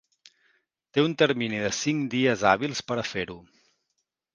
Té un termini de cinc dies hàbils per a fer-ho.